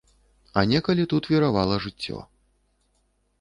А некалі тут віравала жыццё.